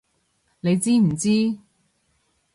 你知唔知！